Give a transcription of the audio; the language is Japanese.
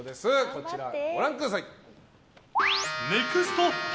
こちらご覧ください。